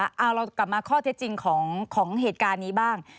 เอาเรากลับมาข้อเท็จจริงของเหตุการณ์นี้บ้าง